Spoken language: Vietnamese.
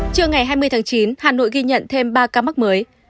trưa ngày hai mươi tháng chín hà nội ghi nhận thêm ba ca mắc mới